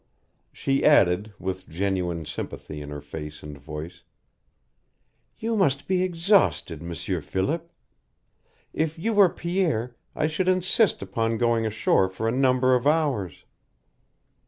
She added, with genuine sympathy in her face and voice: "You must be exhausted, M'sieur Philip. If you were Pierre I should insist upon going ashore for a number of hours.